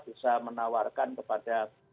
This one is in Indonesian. bisa menawarkan kepada